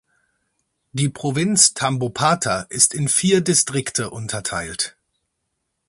Die Provinz Tambopata ist in vier Distrikte unterteilt.